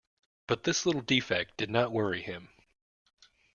But this little defect did not worry him.